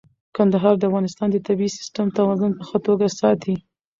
کندهار د افغانستان د طبیعي سیسټم توازن په ښه توګه ساتي.